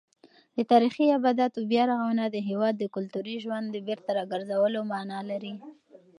د تاریخي ابداتو بیارغونه د هېواد د کلتوري ژوند د بېرته راګرځولو مانا لري.